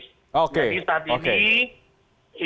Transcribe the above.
jadi saat ini